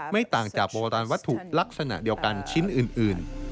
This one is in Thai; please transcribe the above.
ไม่ต่างจากโบราณวัตถุลักษณะเดียวกันชิ้นอื่น